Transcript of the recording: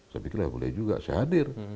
saya pikir boleh juga saya hadir